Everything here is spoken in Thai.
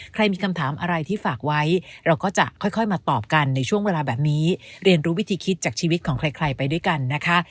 ใครมีคำถามอะไรที่ฝากไว้เราก็จะค่อยมาตอบกันในช่วงเวลาแบบนี้เรียนรู้วิธีคิดจากชีวิตของใครไปด้วยกันนะคะ